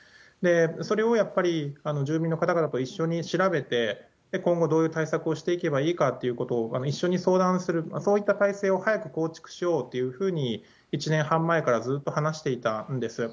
それをやっぱり住民の方々と一緒に調べて、今後どういう対策をしていけばいいかっていうことを一緒に相談する、そういった体制を早く構築しようっていうふうに、１年半前からずっと話していたんです。